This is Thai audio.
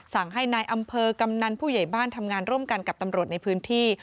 สั่งให้นายอำเภอกำนันผู้ใหญ่บ้านทำงานร่วมกันกับตำรวจในพื้นที่